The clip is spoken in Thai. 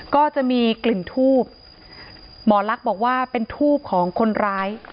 ก็จะมีกลิ่นทูบหมอลักษณ์บอกว่าเป็นทูบของคนร้าย